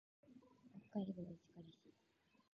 北海道石狩市